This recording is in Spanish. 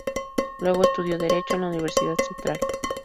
Luego estudió Derecho en la Universidad Central.